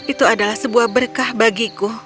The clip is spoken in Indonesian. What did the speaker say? itu adalah sebuah berkah bagiku